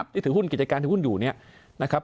ถือหุ้นกิจการถือหุ้นอยู่เนี่ยนะครับ